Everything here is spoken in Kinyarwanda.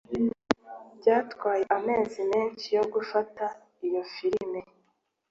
Byatwaye amezi menshi yo gufata iyo firime